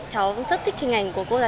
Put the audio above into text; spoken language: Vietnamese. cháu cũng rất thích hình ảnh của cô giáo